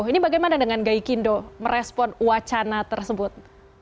ini bagaimana dengan gaikindo merespon wacana tersebut